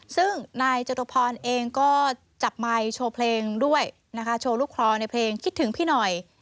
ซึ่งนายจตุพรเองก็จับไมค์โชว์เพลงด้วยนะคะโชว์ลูกคลอในเพลงคิดถึงพี่หน่อย